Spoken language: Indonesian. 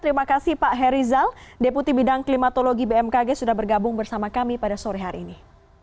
terima kasih pak herizal deputi bidang klimatologi bmkg sudah bergabung bersama kami pada sore hari ini